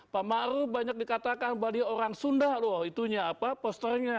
pak ma'ruf banyak dikatakan bahwa dia orang sunda loh itunya apa posternya